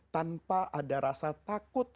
tanpa ada rasa takut